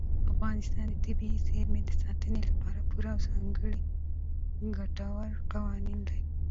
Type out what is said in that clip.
افغانستان د طبیعي زیرمې د ساتنې لپاره پوره او ځانګړي ګټور قوانین لري.